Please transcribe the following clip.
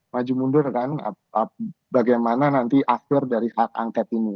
maju mundur kan bagaimana nanti akhir dari hak angket ini